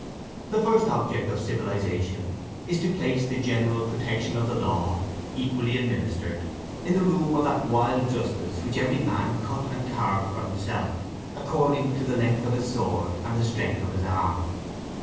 The first object of civilisation is to place the general protection of the law, equally administered, in the room of that wild justice which every man cut and carved for himself, according to the length of his sword and the strength of his arm.